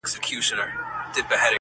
لکه وږمه یې تخیل کښې اوسم